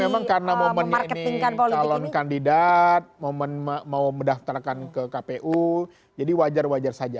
jadi memang karena momen ini calon kandidat momen mau mendaftarkan ke kpu jadi wajar wajar saja